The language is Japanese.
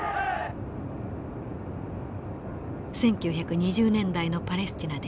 １９２０年代のパレスチナです。